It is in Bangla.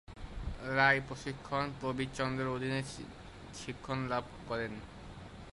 রায়, প্রশিক্ষক প্রবীর চন্দ্রের অধীনে শিক্ষণ লাভ করেন।